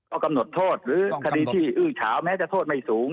เอากำหนดโทษหรือคดีที่อื้อเฉาแม้จะโทษไม่สูง